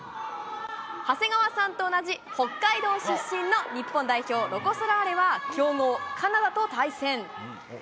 長谷川さんと同じ北海道出身の日本代表、ロコ・ソラーレは強豪、カナダと対戦。